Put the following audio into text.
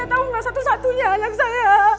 tau gak satu satunya anak saya